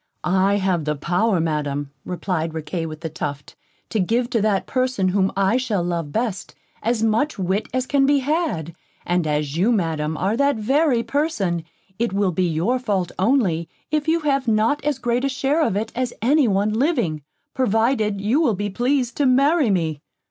"I have the power, Madam," replied Riquet with the Tuft, "to give to that person whom I shall love best, as much wit as can be had; and as you, Madam, are that very person, it will be your fault only, if you have not as great a share of it as any one living, provided you will be pleased to marry me."